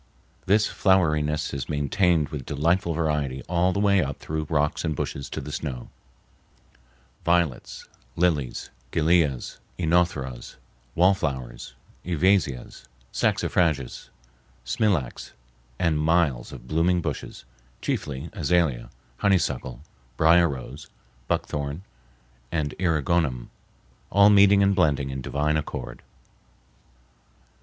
This floweriness is maintained with delightful variety all the way up through rocks and bushes to the snow—violets, lilies, gilias, oenotheras, wallflowers, ivesias, saxifrages, smilax, and miles of blooming bushes, chiefly azalea, honeysuckle, brier rose, buckthorn, and eriogonum, all meeting and blending in divine accord.